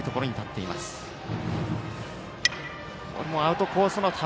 これもアウトコースの球。